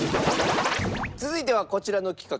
続いてはこちらの企画。